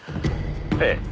「ええ」